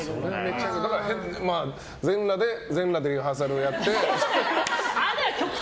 だから、全裸でリハーサルをやって。